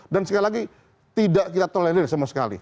dan sekali lagi tidak kita tolerir sama sekali